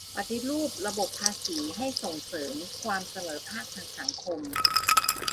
ปฏิรูประบบภาษีให้ส่งเสริมความเสมอภาคทางสังคม